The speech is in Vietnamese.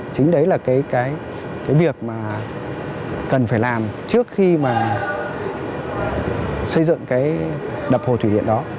chính đấy là cái việc mà cần phải làm trước khi mà xây dựng cái đập hồ thủy điện đó